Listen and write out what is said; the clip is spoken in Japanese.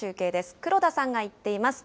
黒田さんが行っています。